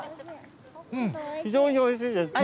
非常においしいです。